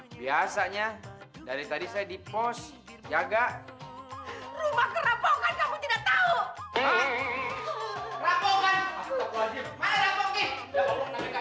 biasanya dari tadi saya di pos jaga rumah kerabau kan kamu tidak tahu